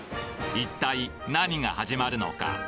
一体何が始まるのか？